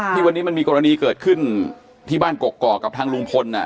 ที่วันนี้มันมีกรณีเกิดขึ้นที่บ้านกกอกกับทางลุงพล